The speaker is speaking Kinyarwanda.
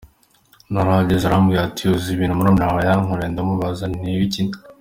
Narahageze arambwira ati ‘uzi ibintu murumuna wawe yankoreye’ ndamubaza nti ni ibiki ?